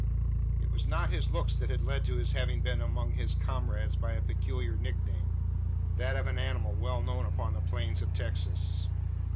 It was not his looks that had led to his having become known among his comrades by a peculiar nick name; that of an animal well known upon the plains of Texas.